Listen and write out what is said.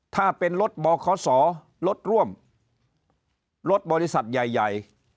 ถ้าเป็นรถบขรถร่วมรถบริษัทใหญ่